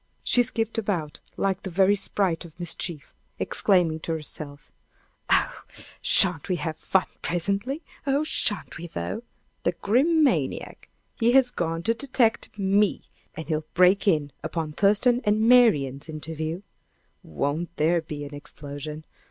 She skipped about like the very sprite of mischief, exclaiming to herself: "Oh, shan't we have fun presently! Oh, shan't we, though! The Grim maniac! he has gone to detect me! And he'll break in upon Thurston and Marian's interview. Won't there be an explosion!